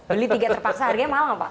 beli tiga terpaksa harganya mahal pak